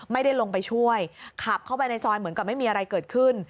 ไม่ได้ลงไปช่วยขับเข้าไปในซอยเหมือนกับไม่มีอะไรเกิดขึ้น